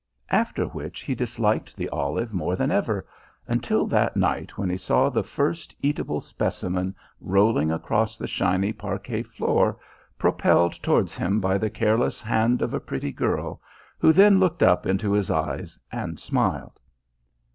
After which he disliked the olive more than ever until that night when he saw the first eatable specimen rolling across the shiny parquet floor, propelled towards him by the careless hand of a pretty girl, who then looked up into his eyes and smiled.